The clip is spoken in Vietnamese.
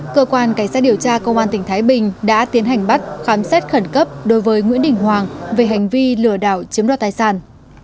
cơ quan cảnh sát điều tra công an tỉnh thái bình đã tiến hành bắt khám xét khẩn cấp đối với nguyễn đình hoàng về hành vi lừa đảo chiếm đoạt tài sản